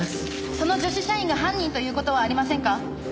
その女子社員が犯人という事はありませんか？